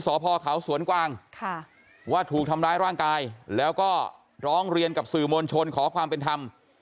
สพเขาสวนกวางว่าถูกทำร้ายร่างกายแล้วก็ร้องเรียนกับสื่อมวลชนขอความเป็นธรรม